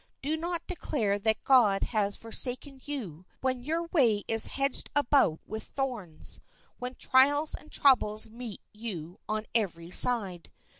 Do not declare that God has forsaken you when your way is hedged about with thorns, when trials and troubles meet you on every side.